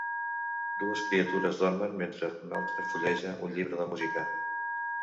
Dues criatures dormen mentre una altra fulleja un llibre de música.